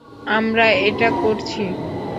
আমরা এটা করছি!